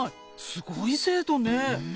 すごい精度ね。